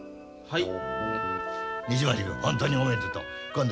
はい。